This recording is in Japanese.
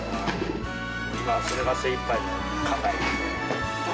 今はそれが精いっぱいの考え。